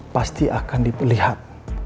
pasti akan dilihat